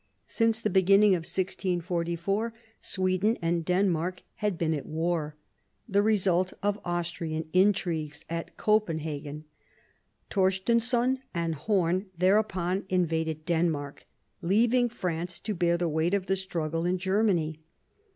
Since the beginning of 1644 Sweden and Denmark had been at war — the result of Austrian intrigues at Copenhagen. Torstenson and Horn thereupon invaded Denmark, leaving France to bear the weight of the struggle in Germany.